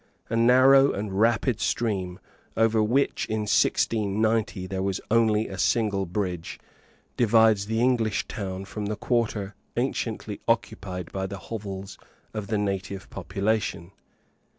A narrow and rapid stream, over which, in 1690, there was only a single bridge, divides the English town from the quarter anciently occupied by the hovels of the native population.